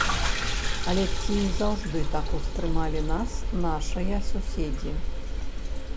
Але ці заўжды так успрымалі нас нашыя суседзі?